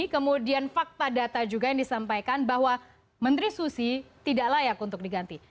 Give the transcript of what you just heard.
kemudian fakta data juga yang disampaikan bahwa menteri susi tidak layak untuk diganti